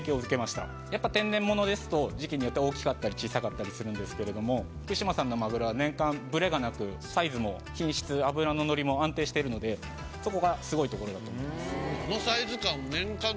やっぱ天然物ですと時期によって大きかったり小さかったりするんですけれども福島さんのマグロは年間ブレがなくサイズも品質脂の乗りも安定しているのでそこがスゴいところだと思います。